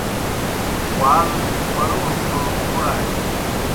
وال پلَوݨ پُھڑانیْ۔